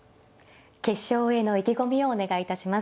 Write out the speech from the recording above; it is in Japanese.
決勝への意気込みをお願いいたします。